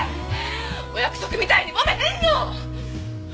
お約束みたいに揉めへんの！